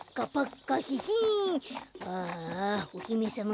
ああおひめさま